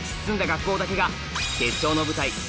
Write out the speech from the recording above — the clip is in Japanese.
学校だけが決勝の舞台